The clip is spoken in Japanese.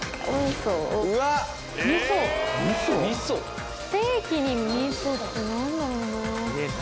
ステーキにみそって何だろうな？